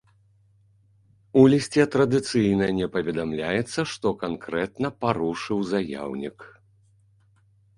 У лісце традыцыйна не паведамляецца, што канкрэтна парушыў заяўнік.